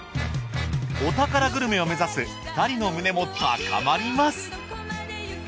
お宝グルメを目指す２人の胸も高まります。